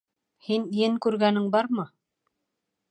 Һин ен күргәнең бармы?